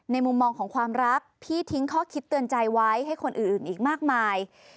มุมมองของความรักพี่ทิ้งข้อคิดเตือนใจไว้ให้คนอื่นอีกมากมาย